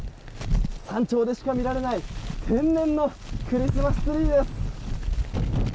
山頂でしか見られない天然のクリスマスツリーです。